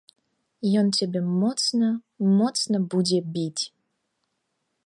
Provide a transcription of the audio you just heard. Ён цябе моцна, моцна будзе біць.